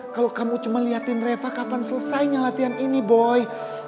kalau kamu cuma lihatin reva kapan selesainya latihan ini boy